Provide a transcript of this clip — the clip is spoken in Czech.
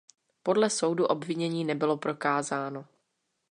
Podle soudu obvinění nebylo prokázáno.